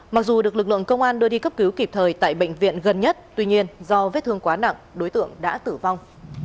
mặc dù được lực lượng công an đưa đi cấp cứu kịp thời tại bệnh viện gần nhất tuy nhiên do vết thương quá nặng đối tượng đã tử vong